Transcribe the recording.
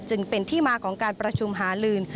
จึงเป็นที่มาของการประชุมหาลืน